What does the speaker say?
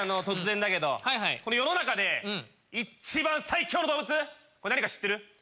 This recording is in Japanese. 突然だけど世の中で一番最強の動物何か知ってる？